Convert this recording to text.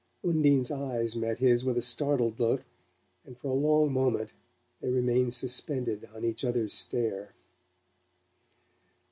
Undine's eyes met his with a startled look, and for a long moment they remained suspended on each other's stare.